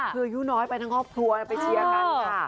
คืออายุน้อยไปทั้งครอบครัวไปเชียร์กันค่ะ